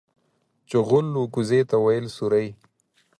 چغول و کوزې ته ويل سورۍ.